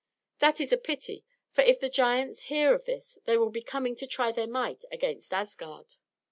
"That is a pity; for if the giants hear of this, they will be coming to try their might against Asgard."